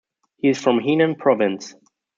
He is from Henan province.